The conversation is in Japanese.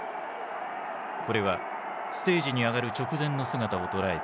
これはステージに上がる直前の姿を捉えた写真。